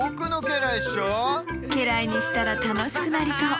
けらいにしたらたのしくなりそう。